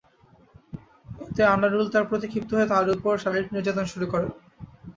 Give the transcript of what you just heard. এতে আনারুল তাঁর প্রতি ক্ষিপ্ত হয়ে তাঁর ওপর শারীরিক নির্যাতন শুরু করেন।